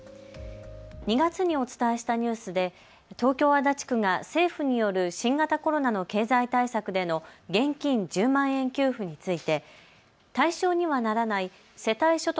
２月にお伝えしたニュースで東京足立区が政府による新型コロナの経済対策での現金１０万円給付について対象にはならない世帯所得